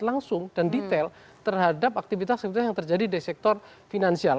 langsung dan detail terhadap aktivitas aktivitas yang terjadi di sektor finansial